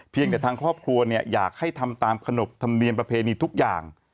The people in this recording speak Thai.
เพียงแต่ทางครอบครัวอยากให้ทำตามขนกทำเรียนประเพณีทุกอย่าง